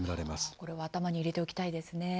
これは頭に入れておきたいですね。